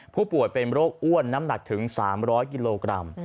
ผู้ป่วยเป็นโรคอ้วนน้ำหนักถึง๓๐๐กิโลกรัม